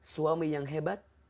suami yang hebat